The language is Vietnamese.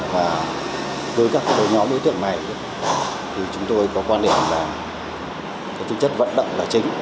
và với các đối nhóm đối tượng này thì chúng tôi có quan điểm là cái tính chất vận động là chính